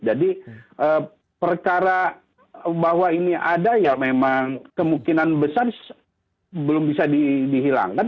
jadi perkara bahwa ini ada ya memang kemungkinan besar belum bisa dihilangkan